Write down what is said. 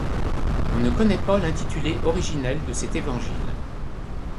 On ne connaît pas l'intitulé originel de cet évangile.